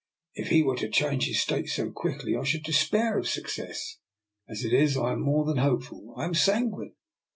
" If he were to change his state so quickly, I should despair of success. As it is, I am more than hopeful, I am sanguine.